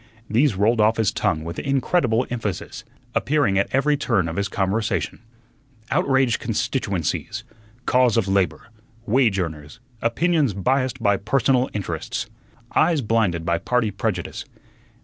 These rolled off his tongue with incredible emphasis, appearing at every turn of his conversation "Outraged constituencies," "cause of labor," "wage earners," "opinions biased by personal interests," "eyes blinded by party prejudice."